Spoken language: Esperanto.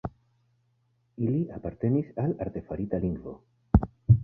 Ili apartenis al artefarita lingvo.